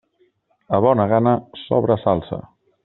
A bona gana, sobra salsa.